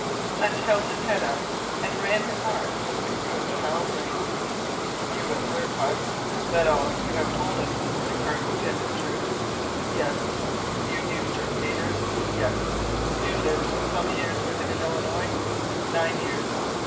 Hunt held his head up, and ran his eyes over the crew of the Halbrane. "You assert, Hunt, that all you have told us concerning Arthur Pym is true?" "Yes." "You knew Dirk Peters?" "Yes." "You lived some years with him in Illinois?" "Nine years."